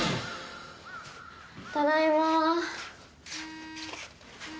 ただいまー。